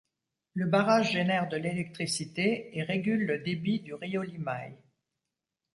Le barrage génère de l'électricité et régule le débit du río Limay.